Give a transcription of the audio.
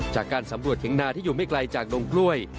จากการสำรวจเถียงนาที่อยู่ไม่ไกลจากดงกล้วย